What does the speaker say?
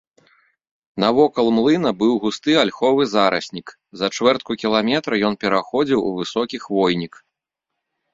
Навокал млына быў густы альховы зараснік, за чвэртку кіламетра ён пераходзіў у высокі хвойнік.